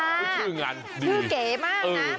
ชื่องานดีชื่อเก๋มากนะ